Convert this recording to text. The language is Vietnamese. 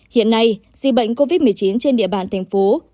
hiện nay dịch bệnh covid một mươi chín trên địa bàn tp hcm